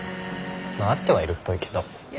まあ会ってはいるっぽいけど。